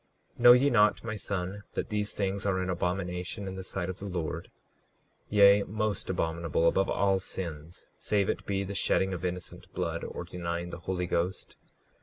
39:5 Know ye not, my son, that these things are an abomination in the sight of the Lord; yea, most abominable above all sins save it be the shedding of innocent blood or denying the Holy Ghost?